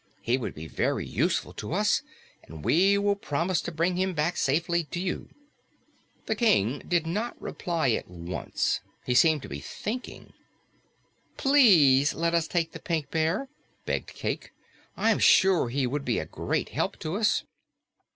He would be very useful to us, and we will promise to bring him safely back to you." The King did not reply at once. He seemed to be thinking. "PLEASE let us take the Pink Bear," begged Cayke. "I'm sure he would be a great help to us."